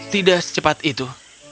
tidak secepat itu